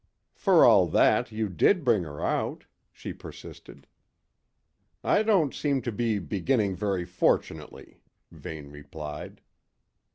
"For all that, you did bring her out," she persisted. "I don't seem to be beginning very fortunately," Vane replied.